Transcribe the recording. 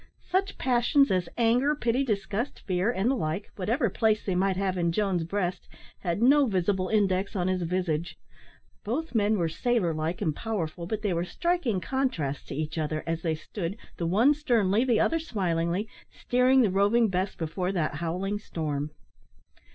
Such passions as anger, pity, disgust, fear, and the like, whatever place they might have in Jones's breast, had no visible index on his visage. Both men were sailor like and powerful, but they were striking contrasts to each other, as they stood the one sternly, the other smilingly steering the Roving Bess before that howling storm.